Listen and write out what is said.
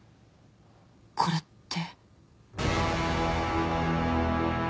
これって。